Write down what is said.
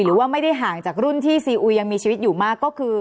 หรือว่าไม่ได้ห่างจากรุ่นที่ซีอุยยังมีชีวิตอยู่มากก็คือ